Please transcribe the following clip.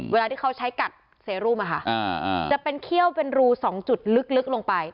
เวลาที่เขาใช้กัดเซรุมจะเป็นเขี้ยวเป็นรู๒จุดลึกลงไป